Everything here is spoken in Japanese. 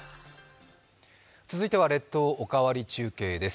続いては列島おかわり中継です。